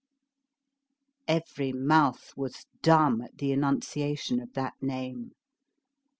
Every mouth was dumb at the enunciation of that name.